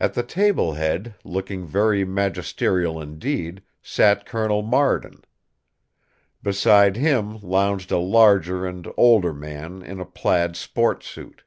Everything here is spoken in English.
At the table head, looking very magisterial indeed, sat Colonel Marden. Beside him lounged a larger and older man in a plaid sport suit.